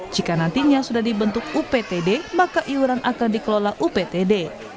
jika nantinya sudah dibentuk uptd maka iuran akan dikelola uptd